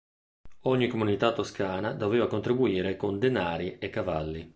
Ogni comunità toscana doveva contribuire con denari e cavalli.